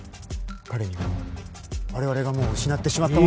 彼には我々がもう失ってしまったものを。